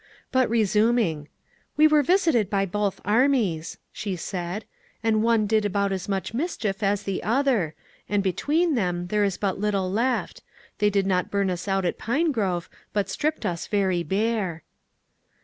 But resuming. "We were visited by both armies," she said, "and one did about as much mischief as the other; and between them there is but little left: they did not burn us out at Pinegrove, but stripped us very bare."